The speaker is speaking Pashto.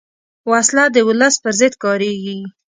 وسله د ولس پر ضد کارېږي